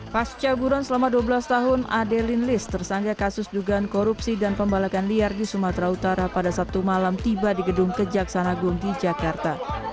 pascaguron selama dua belas tahun adeline lis tersangka kasus dugaan korupsi dan pembalakan liar di sumatera utara pada sabtu malam tiba di gedung kejaksanagung di jakarta